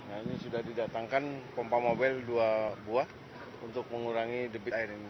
nah ini sudah didatangkan pompa mobil dua buah untuk mengurangi debit air ini